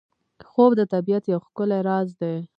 خوب د طبیعت یو ښکلی راز دی